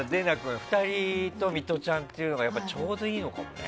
２人とミトちゃんというのがちょうどいいのかもね。